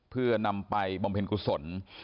เพื่อนำไปบำเพ็ญกุศล